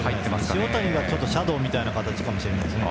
塩谷がシャドーみたいな形かもしれないです。